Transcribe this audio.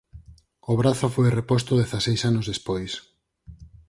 O brazo foi reposto dezaseis anos despois.